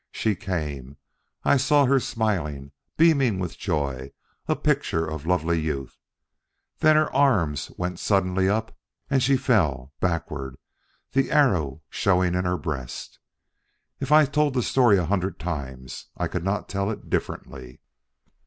She came I saw her smiling, beaming with joy, a picture of lovely youth then her arms went suddenly up and she fell backward the arrow showing in her breast. If I told the story a hundred times, I could not tell it differently."